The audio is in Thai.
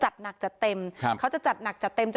แต่ที่ไม่เห็นดีด้วย